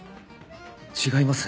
違います。